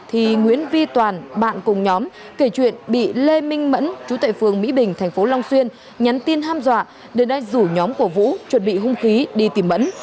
thì nguyễn vi toàn bạn cùng nhóm kể chuyện bị lê minh mẫn chú tại phường mỹ bình thành phố long xuyên nhắn tin ham dọa để đánh rủ nhóm của vũ chuẩn bị hung khí đi tìm mẫn